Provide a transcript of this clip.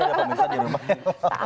ada pemirsa di rumahnya